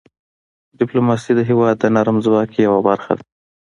ډيپلوماسي د هېواد د نرم ځواک یوه برخه ده.